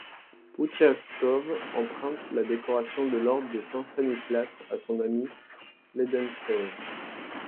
Poutiakov emprunte la décoration de l'Ordre de Saint-Stanislas à son ami Lédentsov.